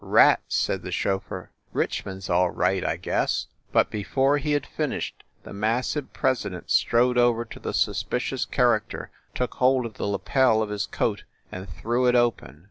"Rats!" said the chauffeur. "Richmond s all right, I guess." But before he had finished, the massive president strode over to the suspicious character, took hold of the lapel of his coat and threw it open.